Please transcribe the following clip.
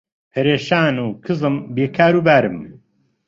پەرێشان و کزم بێ کاروبارم